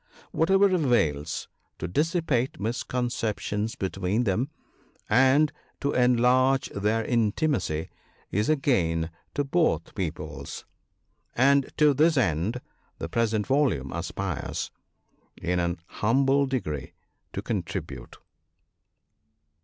Whatever avails to dissipate misconceptions between them, and to enlarge their intimacy, is a gain to both Peoples ; and to this end the present volume aspires, in an humble degree, to contribute.